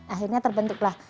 akhirnya terbentuk lah